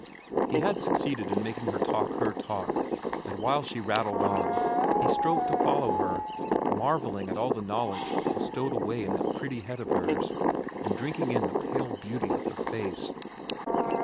He had succeeded in making her talk her talk, and while she rattled on, he strove to follow her, marvelling at all the knowledge that was stowed away in that pretty head of hers, and drinking in the pale beauty of her face.